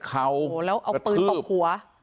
เตะเข้ากระทืบโอ้โหแล้วเอาปืนตากหัว